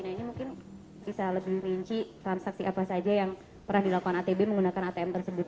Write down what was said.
nah ini mungkin bisa lebih rinci transaksi apa saja yang pernah dilakukan atb menggunakan atm tersebut